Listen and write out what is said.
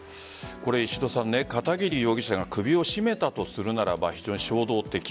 片桐容疑者が首を絞めたとするならば非常に衝動的。